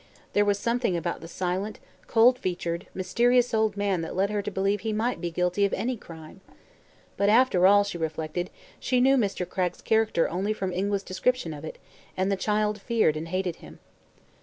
There was something about the silent, cold featured, mysterious old man that led her to believe he might be guilty of any crime. But, after all, she reflected, she knew Mr. Cragg's character only from Ingua's description of it, and the child feared and hated him.